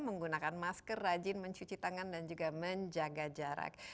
menggunakan masker rajin mencuci tangan dan juga menjaga jarak